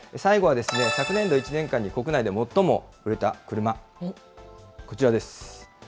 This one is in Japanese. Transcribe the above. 最後は昨年度１年間に国内で最も売れた車、こちらです。